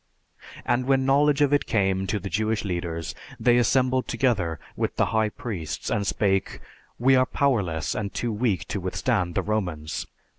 "And when knowledge of it came to the Jewish leaders, they assembled together, with the high priests and spake, 'We are powerless and too weak to withstand the Romans.